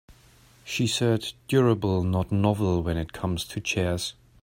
She said durable not novel when it comes to chairs.